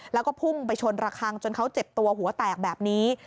แล้วก็พุ่งไปชนระคังจนเขาเจ็บตัวหัวแตกแบบนี้